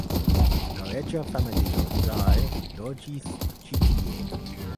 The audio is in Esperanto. La reĝa familio daŭre loĝis ĉi tie.